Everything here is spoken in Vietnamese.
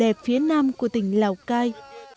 đẹp phía nam của tỉnh lào cai